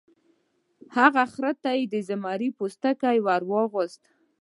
هغه خر ته د زمري پوستکی ور واغوسته.